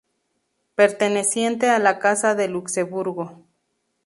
Perteneciente a la Casa de Luxemburgo.